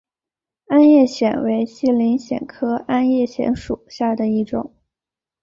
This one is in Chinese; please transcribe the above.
鞍叶藓为细鳞藓科鞍叶藓属下的一个种。